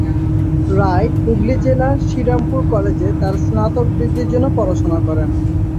রায়, হুগলি জেলার শ্রীরামপুর কলেজে, তার স্নাতক ডিগ্রির জন্য পড়াশোনা করেন।